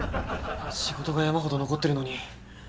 仕事が山ほど残ってるのに。